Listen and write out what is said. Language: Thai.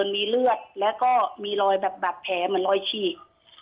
มีเลือดแล้วก็มีรอยแบบบาดแผลเหมือนรอยฉีก